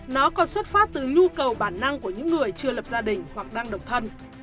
nó còn xuất phát từ nhu cầu bản năng của những người chưa lập gia đình hoặc đang độc thân